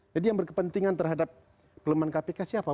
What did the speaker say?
jadi yang berkepentingan terhadap pelemahan kpk siapa